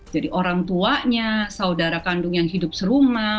jadi orang tuanya saudara kandung yang hidup serumah